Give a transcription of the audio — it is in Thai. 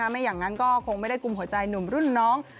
ไม่อย่างนั้นก็คงไม่ได้กลุ่มหัวใจหนุ่มรุ่นน้อง